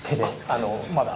あのまだ。